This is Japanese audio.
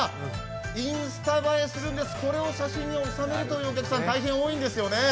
インスタ映えするんです、これを写真に収めるというお客さん、大変多いんですよね。